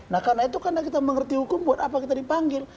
nah karena itu karena kita mengerti hukum buat apa kita dipanggil